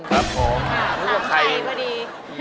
ครับขอถามใครพอดี